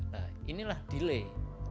nah inilah delay